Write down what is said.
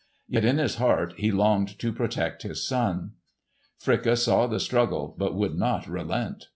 Yet in his heart he longed to protect his son. Fricka saw the struggle but would not relent.